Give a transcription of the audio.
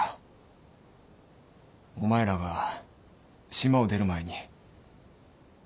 お前らが島を出る前に。